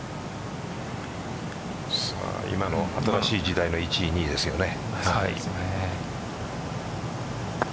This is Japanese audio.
今の新しい時代の１位、２位ですよね。